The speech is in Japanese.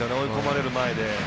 追い込まれる前で。